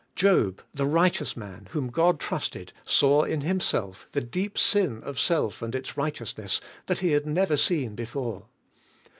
Job, the righteous man, whom God trusted, saw in himself the deep sin of self and its righteousness that he had never seen before.